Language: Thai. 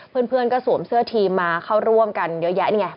เพื่อนก็สวมเสื้อทีมมาเข้าร่วมกันเยอะแยะนี่ไง